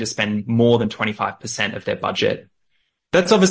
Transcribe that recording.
dan saya pikir itu membuat kepentingan